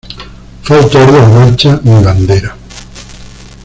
Fue autor de la marcha Mi bandera.